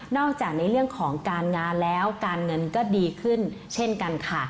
จากในเรื่องของการงานแล้วการเงินก็ดีขึ้นเช่นกันค่ะ